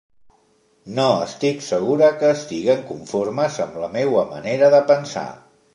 No estic segura que estiguen conformes amb la meua manera de pensar.